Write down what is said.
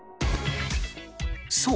そう。